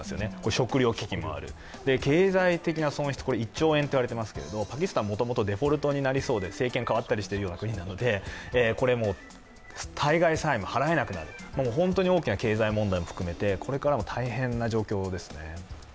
食料危機もある、経済的な損失、１兆円と言われていますがパキスタンは、もともとデフォルトになりそうで政権が変わったりしているような国なので、対外債務を払えなくなる本当に大きな経済問題も含めて、これからも大変な状況ですね。